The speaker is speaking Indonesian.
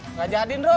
nggak jadi nro